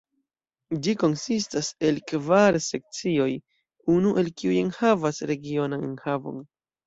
Ĝi konsistas el kvar sekcioj, unu el kiuj enhavas regionan enhavon.